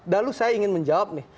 lalu saya ingin menjawab nih